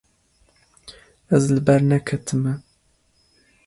Ez li ber neketime.